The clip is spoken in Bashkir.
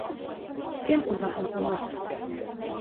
Кем уйлаһын уны?